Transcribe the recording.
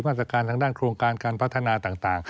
ทางด้านโครงการการพัฒนาต่าง